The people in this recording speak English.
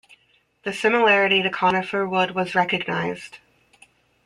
The similarity to conifer wood was recognized.